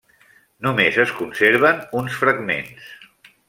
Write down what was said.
Només es conserven uns fragments.